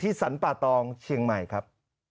สรรป่าตองเชียงใหม่ครับ